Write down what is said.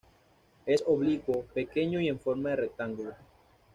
Es oblicuo, pequeño y en forma de rectángulo.